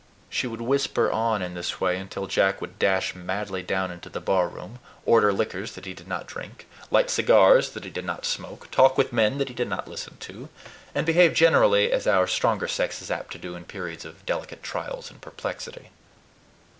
She would whisper on in this way until Jack would dash madly down into the barroom, order liquors that he did not drink, light cigars that he did not smoke, talk with men that he did not listen to, and behave generally as our stronger sex is apt to do in periods of delicate trials and perplexity.